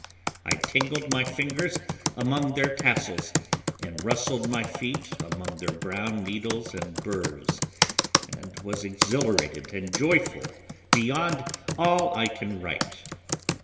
I tingled my fingers among their tassels, and rustled my feet among their brown needles and burrs, and was exhilarated and joyful beyond all I can write.